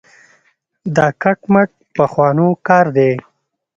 دا کټ مټ پخوانو کار دی.